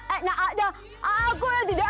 eh eh nah aku yang didalam